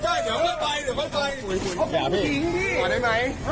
ครึ่งใจนะครับ